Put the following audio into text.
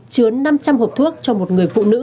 chứa năm trăm linh hộp thuốc cho một người phụ nữ